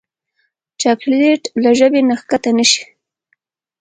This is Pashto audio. چاکلېټ له ژبې نه کښته نه شي.